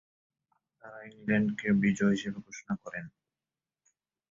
তারা ইংল্যান্ডকে বিজয়ী হিসেবে ঘোষণা করেন।